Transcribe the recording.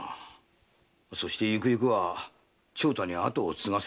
そしてゆくゆくは長太に跡を継がせればいい。